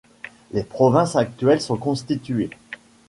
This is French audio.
Les provinces actuelles sont constituées.